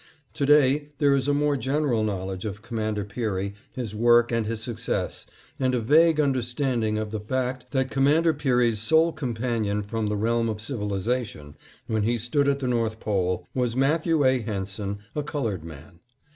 To day there is a more general knowledge of Commander Peary, his work and his success, and a vague understanding of the fact that Commander Peary's sole companion from the realm of civilization, when he stood at the North Pole, was Matthew A. Henson, a Colored Man.